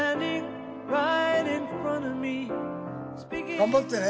頑張ってね。